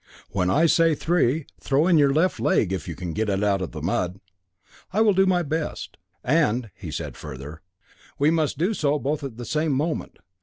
when I say 'three,' throw in your left leg if you can get it out of the mud." "I will do my best." "And," he said further, "we must do so both at the same moment.